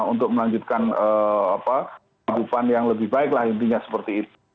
untuk melanjutkan kehidupan yang lebih baik lah intinya seperti itu